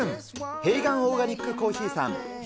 ヘイガン・オーガニックコーヒーさん。